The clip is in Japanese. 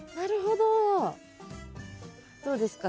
どうですか？